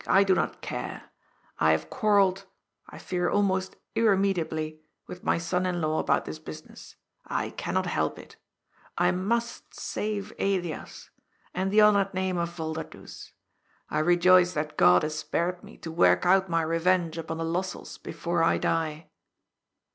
I do not care. I have quarrelled — I fear almost irremediably — with my son in law about this business. I cannot help it. I must save Elias. And the honoured name of Volderdoes. I rejoice that God has spared me to work out my revenge upon the Lossells before I die."